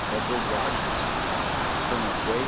Edward Rogers, Colonel J.